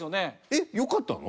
えっよかったの？